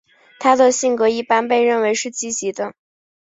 她的性格一般被认为是积极的。